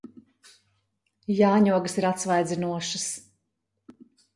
Jāņogas ir atsvaidzinošas.